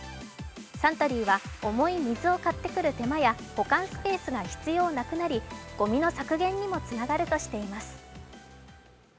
サントリーは重い水を買ってくる手間や保管スペースが必要なくなりごみの削減にもつながるとしています。